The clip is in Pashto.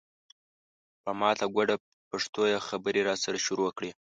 په ماته ګوډه پښتو یې خبرې راسره شروع کړې.